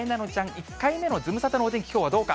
１回目のズムサタのお天気、きょうはどうか。